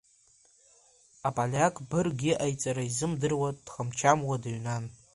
Аполиак бырг иҟаиҵара изымдыруа дхам-чамуа дыҩнан…